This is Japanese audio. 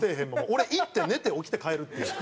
俺行って寝て起きて帰るっていう。